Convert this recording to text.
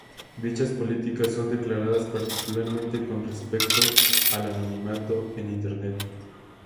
Dichas políticas son declaradas particularmente con respecto al anonimato en Internet.